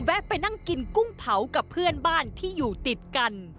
ไปนั่งกินกุ้งเผากับเพื่อนบ้านที่อยู่ติดกัน